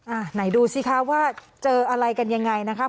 อ่ะไหนดูสิคะว่าเจออะไรกันยังไงนะครับ